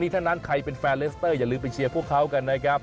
ทั้งนั้นใครเป็นแฟนเลสเตอร์อย่าลืมไปเชียร์พวกเขากันนะครับ